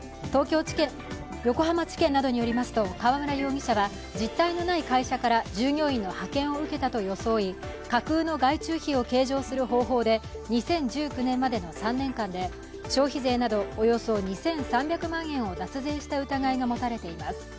横浜地検などによりますと川村容疑者は実体のない会社から従業員の派遣を受けたと装い架空の外注費を計上する方法で２０１９年までの３年間で消費税などおよそ２３００万円を脱税した疑いが持たれています。